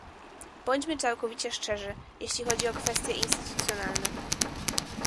Bądźmy całkowicie szczerzy, jeśli chodzi o kwestie instytucjonalne